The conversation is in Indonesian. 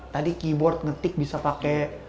tadi keyboard ngetik bisa pakai